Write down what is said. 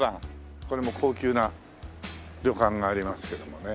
これも高級な旅館がありますけどもね。